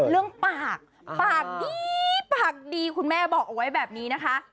เรื่องปากปากดีปากดีคุณแม่บอกเอาไว้แบบนี้นะคะ